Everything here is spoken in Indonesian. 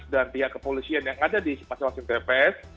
dan pihak kepolisian yang ada di pasukan tps